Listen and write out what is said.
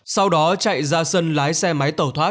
sau đó chạy ra sân lái xe máy tàu thoát